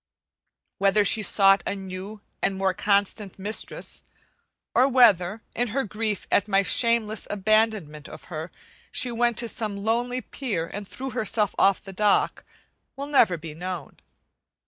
Whether she sought a new and more constant mistress, or whether, in her grief at my shameless abandonment of her, she went to some lonely pier and threw herself off the dock, will never be known.